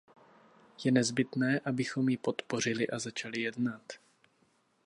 Je nezbytné, abychom ji podpořili a začali jednat.